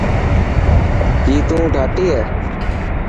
ڪي تون ڌاٽي هي.